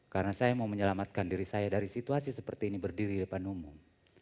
karena saya mau menyelamatkan diri saya dari situasi seperti ini berdiri di depan umum